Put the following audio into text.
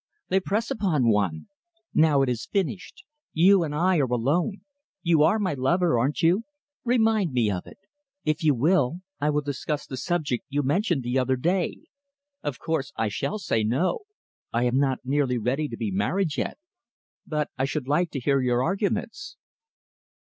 They press upon one. Now it is finished. You and I are alone. You are my lover, aren't you? Remind me of it. If you will, I will discuss the subject you mentioned the other day. Of course I shall say 'No!' I am not nearly ready to be married yet. But I should like to hear your arguments."